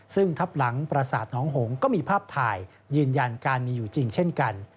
ซึ่งทับหลังประสาทน้องหงก็มีภาพถ่ายยืนยันการมีอยู่จริงเช่นกัน